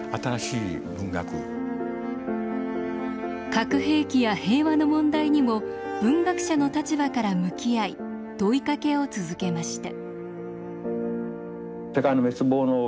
核兵器や平和の問題にも文学者の立場から向き合い問いかけを続けました。